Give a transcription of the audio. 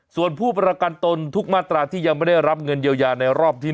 ส่วนผู้ประกันตนทุกมาตราที่ยังไม่ได้รับเงินเยียวยาในรอบที่๒